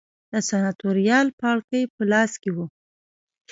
د سناتوریال پاړکي په لاس کې و